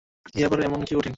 এ আবার এমন কী কঠিন।